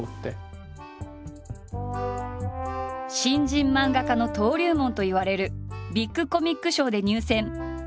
新人漫画家の登竜門といわれるビッグコミック賞で入選。